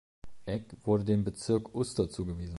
Egg wurde dem Bezirk Uster zugewiesen.